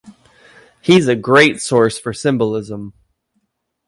He's a great source for symbolism